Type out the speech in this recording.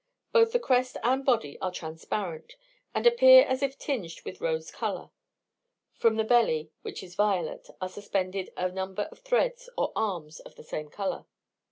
Both the crest and body are transparent, and appear as if tinged with rose colour; from the belly, which is violet, are suspended a number of threads or arms of the same colour.